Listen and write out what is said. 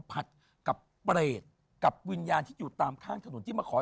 แจ๊คจิลวันนี้เขาสองคนไม่ได้มามูเรื่องกุมาทองอย่างเดียวแต่ว่าจะมาเล่าเรื่องประสบการณ์นะครับ